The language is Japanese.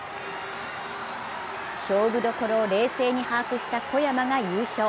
勝負どころを冷静に把握した小山が優勝。